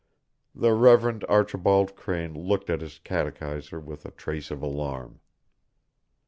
The Reverend Archibald Crane looked at his catechiser with a trace of alarm.